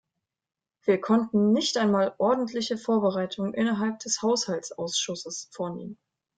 Wir konnten nicht einmal ordentliche Vorbereitungen innerhalb des Haushaltsausschusses vornehmen.